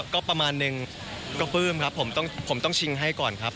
ก็ประมาณนึงก็ปลื้มครับผมต้องชิงให้ก่อนครับ